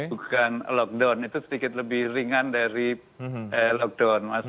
bukan lockdown itu sedikit lebih ringan dari lockdown